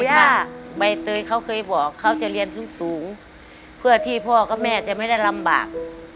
ว่าใบเตยเขาเคยบอกเขาจะเรียนสูงสูงเพื่อที่พ่อกับแม่จะไม่ได้ลำบาก